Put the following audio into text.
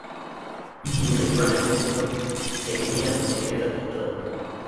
Mji una viwanda vikubwa vya kemia na kutengeneza petroli.